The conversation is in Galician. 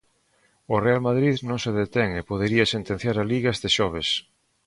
O Real Madrid non se detén e podería sentenciar a Liga este xoves.